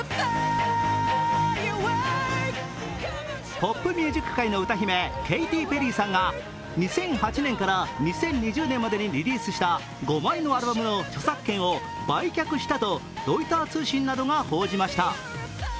ポップミュージック界の歌姫、ケイティ・ペリーさんが２００８年から２０２０年までにリリースした５枚のアルバムの著作権を売却したとロイター通信などが報じました。